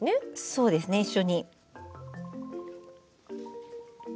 そうです、一緒に。